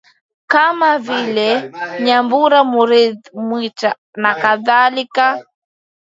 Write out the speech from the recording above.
kama vile Nyambura Murughi Mwita nakadhalika